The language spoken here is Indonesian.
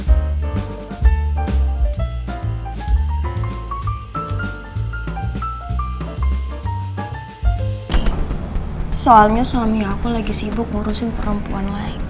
soalnya suami aku lagi sibuk ngurusin perempuan lain